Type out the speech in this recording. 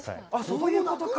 そういうことか。